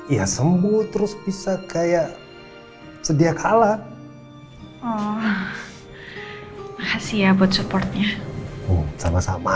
iya sembuh terus bisa kayak sedia kalah oh makasih ya buat supportnya sama sama